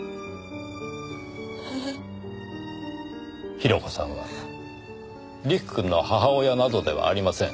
広子さんは陸くんの母親などではありません。